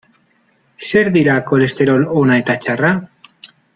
Zer dira kolesterol ona eta txarra?